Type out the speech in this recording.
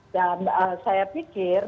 dan saya pikir